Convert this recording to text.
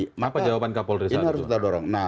kenapa jawaban kpol dari saat itu